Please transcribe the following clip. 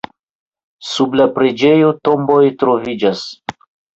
Sub la preĝejo tomboj troviĝas.